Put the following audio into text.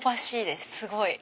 すごい。